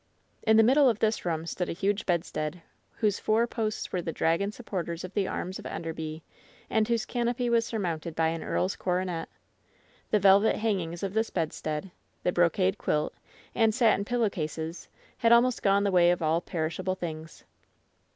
In the middle of this room stood a huge bedstead, whose four posts were the dragon supporters of the arms of Enderby and whose canopy was surmounted by an earl's coronet. The velvet hangings of this bedstead, the brocade quilt and satin pillow cases had almost gone the way of all perishable things.